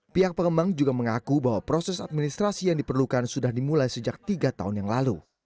pihak pengembang juga mengaku bahwa proses administrasi yang diperlukan sudah dimulai sejak tiga tahun yang lalu